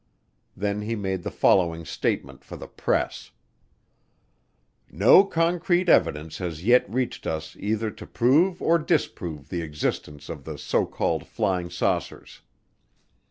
Then he made the following statement for the press: "No concrete evidence has yet reached us either to prove or disprove the existence of the so called flying saucers.